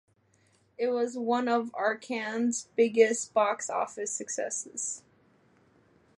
It was one of Arcand's biggest box office successes.